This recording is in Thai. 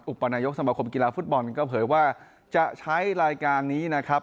ปนายกสมคมกีฬาฟุตบอลก็เผยว่าจะใช้รายการนี้นะครับ